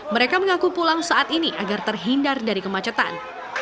mereka mengaku pulang saat ini agar terhindar dari kemacetan